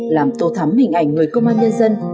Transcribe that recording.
làm tô thắm hình ảnh người công an nhân dân